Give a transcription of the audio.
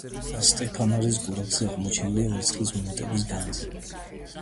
ნასტეფნარის გორაკზე აღმოჩენილია ვერცხლის მონეტების განძი.